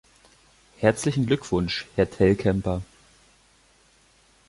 Herzlichen Glückwunsch, Herr Telkämper!